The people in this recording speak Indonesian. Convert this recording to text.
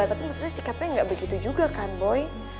tapi maksudnya sikapnya nggak begitu juga kan boy